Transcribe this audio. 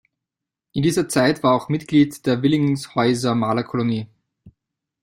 In dieser Zeit war er auch Mitglied der Willingshäuser Malerkolonie.